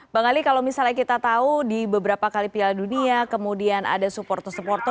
bang ali kalau misalnya kita tahu di beberapa kali piala dunia kemudian ada supporter supporter